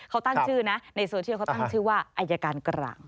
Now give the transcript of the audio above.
เขาตั้งชื่อนะในโซเชียลเขาตั้งชื่อว่าอายการกลาง